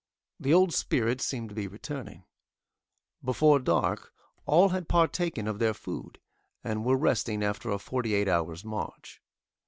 The old spirit seemed to be returning. Before dark all had partaken of their food, and were resting after a forty eight hours march.